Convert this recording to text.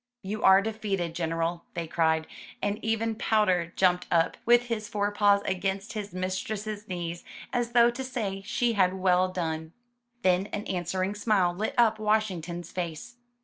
*'You are defeated. General,*' they cried, and even Powder jumped up, with his forepaws against his mistress's knees, as though to say she had well done. Then an answering smile lit up Washington's face.